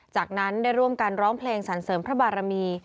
จากนั้นได้ร่วมกันร้องเพลงสรรเสริมพระบารมี